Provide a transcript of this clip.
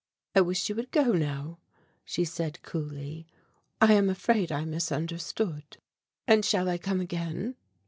"I wish you would go now," she said coolly; "I am afraid I misunderstood." "And shall I come again?"